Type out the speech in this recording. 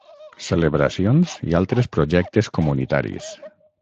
Celebracions i altres projectes comunitaris.